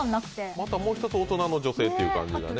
またもう一つ大人の女性という感じがね。